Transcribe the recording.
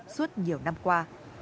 suốt nhiều năm qua